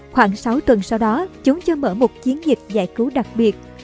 khoảng sáu tuần sau đó chúng cho mở một chiến dịch giải cứu đặc biệt